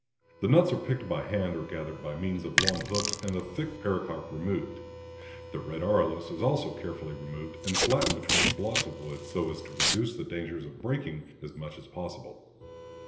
The nuts are picked by hand or gathered by means of long hooks and the thick pericarp removed. The red arillus is also carefully removed and flattened between blocks of wood so as to reduce the danger of breaking as much as possible.